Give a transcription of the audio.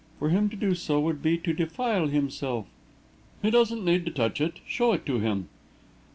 For him to do so, would be to defile himself." "He doesn't need to touch it. Show it to him."